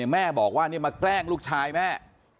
แม่บอกว่านี่มาแกล้งลูกชายแม่